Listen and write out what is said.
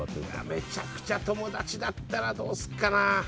めちゃくちゃ友達だったらどうするかな。